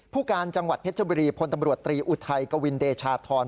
ผู้การจังหวัดเพชรบุรีพลตำรวจตรีอุทัยกวินเดชาธร